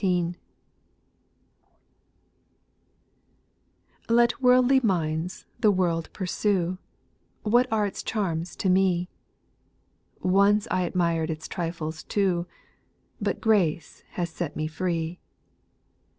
T ET worldly minds the world pursue ; JLi What are its charms to me ? Once I admired its trifles too, But grace has set me free.